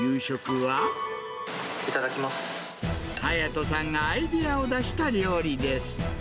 はやとさんがアイデアを出した料理です。